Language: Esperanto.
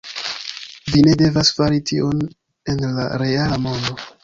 Vi ne devas fari tion en la reala mondo